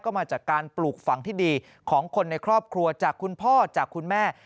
ก็มาจากการปลูกฝังที่ดีของคนในครอบครัวจากคุณพ่อจากคุณแม่